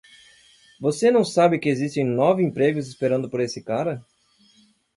Você não sabe que existem nove empregos esperando por esse cara?